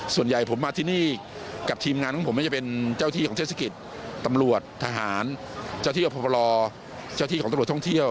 ส่วนใหญ่ผมมาที่นี่กับทีมงานของผมไม่จะเป็นเจ้าที่ของเทศกิจตำรวจทหารเจ้าที่กับพบรอเจ้าที่ของตำรวจท่องเที่ยว